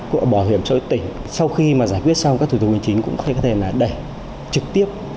cũng là bảo hiểm xã hội tỉnh sau khi mà giải quyết xong các thủ tục hành chính cũng có thể là đẩy trực tiếp